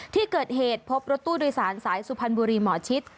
ที่เกิดเหตุพบรถตู้โดยสารสายสุพรรณบุรีหมอชิด